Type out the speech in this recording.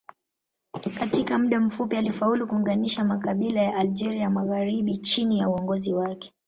Katika muda mfupi alifaulu kuunganisha makabila ya Algeria ya magharibi chini ya uongozi wake.